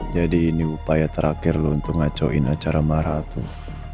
jadi ini upaya terakhir lo untuk ngacoin acara marah tuh